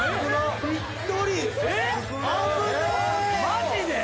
マジで！？